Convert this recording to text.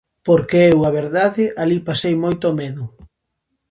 Porque eu, a verdade, alí pasei moito medo.